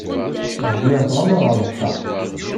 Zgiɣ ttɣamaɣ ar ṭṭaq.